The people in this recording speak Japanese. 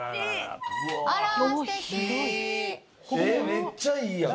めっちゃいいやん。